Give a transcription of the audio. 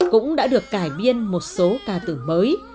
cũng đã được cải biên một số ca tử mới